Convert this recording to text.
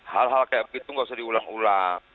hal hal kayak begitu nggak usah diulang ulang